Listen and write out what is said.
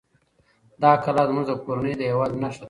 دا کلا زموږ د کورنۍ د یووالي نښه ده.